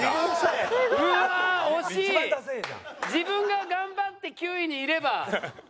自分が頑張って９位にいれば。